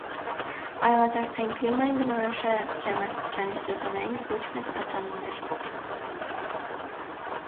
Արևադարձային կլիմային բնորոշ է ջերմաստիճանի սեզոնային ոչ մեծ տատանումներ։